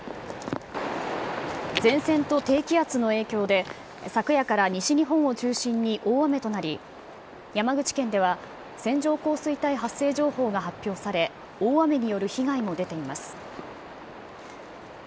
前線と低気圧の影響で、昨夜から西日本を中心に大雨となり、山口県では線状降水帯発生情報が発表され、大雨による被害も出ています。